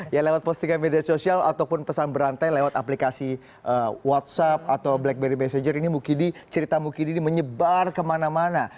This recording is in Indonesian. ya lewat postingan media sosial ataupun pesan berantai lewat aplikasi whatsapp atau blackberry messenger ini mukidi cerita mukidi ini menyebar kemana mana